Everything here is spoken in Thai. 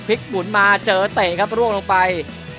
หมุนมาเจอเตะครับร่วงลงไป